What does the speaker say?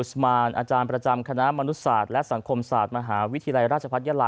ดิฉงสมานอาจารย์ประจำคณะมศและสังคมศาสตร์มหาวิทยาลัยราชพันธ์